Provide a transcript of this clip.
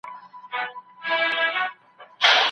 د محصولاتو کيفيت تر کثافت ډېر اړين دى.